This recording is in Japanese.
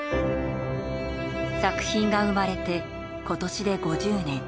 作品が生まれて今年で５０年。